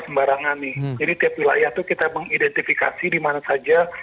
jadi tiap wilayah itu kita mengidentifikasi di mana saja